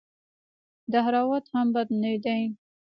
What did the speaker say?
دهراوت هم بد نه دئ.